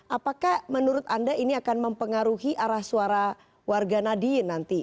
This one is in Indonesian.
apakah menurut anda ini akan mempengaruhi arah suara warga nadien nanti